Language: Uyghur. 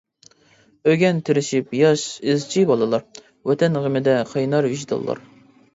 ئۆگەن تىرىشىپ ياش ئىزچى بالىلار، ۋەتەن غېمىدە قاينار ۋىجدانلار.